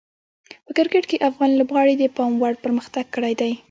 په کرکټ کې افغان لوبغاړي د پام وړ پرمختګ کړی دی.